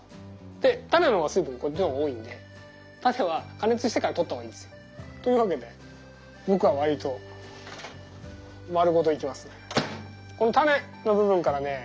でタネの方が水分量多いのでタネは加熱してから取った方がいいんですよ。というわけでぼくはわりと丸ごといきますね。